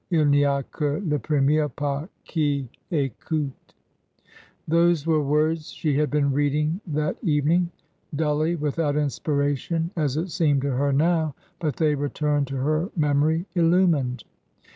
II tCy a que le premier pas qui ^oUter Those were words she had been reading that evening — dully, without inspiration, as it seemed to her now — but they returned to her memory illumined.